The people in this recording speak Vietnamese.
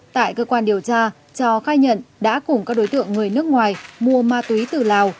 tại cơ quan điều tra trò khai nhận đã cùng các đối tượng người nước ngoài mua ma túy từ lào